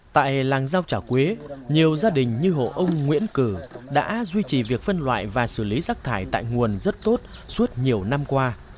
tại làng giao trả quế nhiều gia đình như hộ ông nguyễn cử đã duy trì việc phân loại và xử lý rác thải tại nguồn rất tốt suốt nhiều năm qua